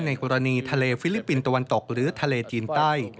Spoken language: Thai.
ในกรณีทะเลฟิลิปปินส์ตะวันตกหรือทะเลจีนใต้